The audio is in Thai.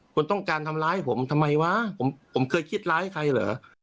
คุณต้องการทำร้ายผมทำไมวะผมเคยคิดร้ายใครเหรอ